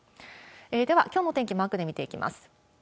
では、きょうの天気、マークで見ていきます。